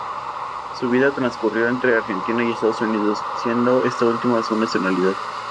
Su vida transcurrió entre Argentina y Estados Unidos, siendo esta última su nacionalidad.